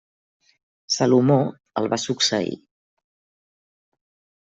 Salomó el va succeir.